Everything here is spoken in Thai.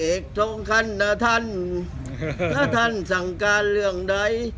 เอกทองคันนะท่านถ้าท่านสั่งการเรื่องใด